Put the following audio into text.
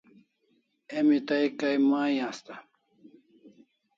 Emi tai kai mai asta